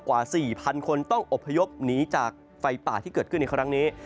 กว่า๔๐๐คนต้องอบพยพหนีจากไฟป่าที่เกิดขึ้นในครั้งนี้